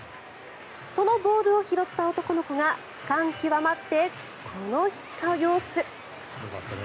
そのボールを拾った男の子が感極まって、この様子。